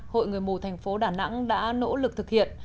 hội người mù thành phố đà nẵng đã nỗ lực thực hiện